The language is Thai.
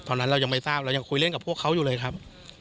ตอนนั้นเรายังไม่ทราบเรายังคุยเล่นกับพวกเขาอยู่เลยครับ